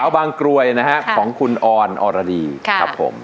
บางกรวยนะฮะของคุณออนออรดีครับผม